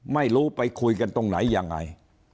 ไม่รู้ไปคุยกันตรงไหนยังไง